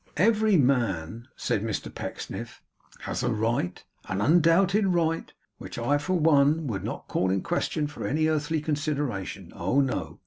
'Every man,' said Mr Pecksniff, 'has a right, an undoubted right, (which I, for one, would not call in question for any earthly consideration; oh no!)